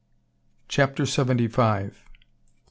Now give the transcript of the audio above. CHAPTER SEVENTY FIVE.